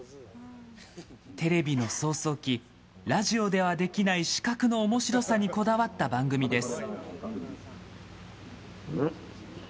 テレビの草創期、ラジオではできない視覚のおもしろさにこだわった番組です。